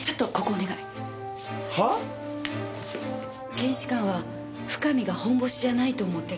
検視官は深見がホンボシじゃないと思ってる。